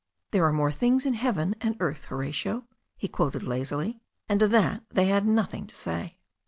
" 'There are more things in heaven and earth, Horatio/ " he quoted lazily. And to that they had nothing to say.